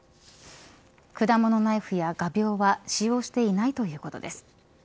果物ナイフや画びょうは使用していないということです。